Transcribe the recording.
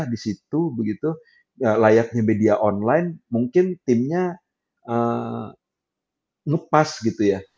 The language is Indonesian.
di situ begitu layaknya media online mungkin timnya lepas gitu ya